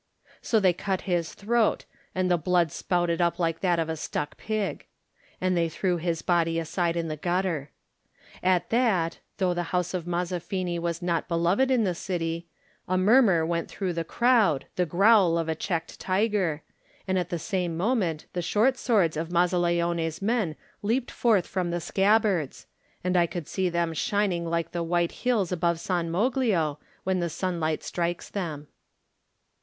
So they cut his throat, and the blood spouted up like that of a stuck pig. And they threw his body aside in the gutter. At that, though the house of Mazzafini was not beloved in the city, a murmur went through the crowd, the growl of a checked tiger, and at the same moment the short swords of Mazzaleone's men leaped forth from the scabbards and I could see them shining like the white hills above San Moglio when the sunlight strikes them.